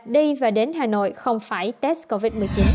đi và đến hà nội không phải test covid một mươi chín